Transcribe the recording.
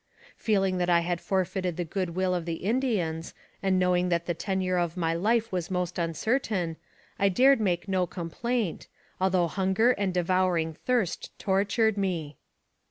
Feeling that I had forfeited the good will of the Indians, and knowing that the tenure of my life was most uncertain, I dared make no complaint, although hunger and devouring thirst tortured me.